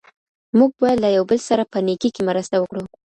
موږ باید له یو بل سره په نېکۍ کي مرسته وکړو.